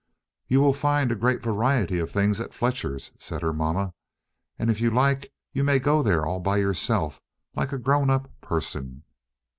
"You will find a great variety of things at Fletcher's," said her mamma; "and if you like, you may go there all by yourself like a grown up person."